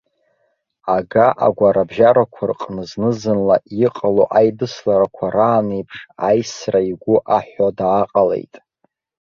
Ага агәарабжьарақәа рҟны знызынла иҟало аидысларақәа раан еиԥш аисра игәы аҳәо дааҟалеит.